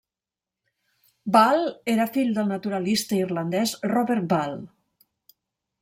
Ball era fill del naturalista irlandès Robert Ball.